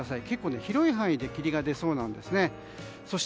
結構広い範囲で霧が出そうです。